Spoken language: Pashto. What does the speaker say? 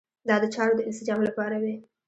دا د چارو د انسجام لپاره وي.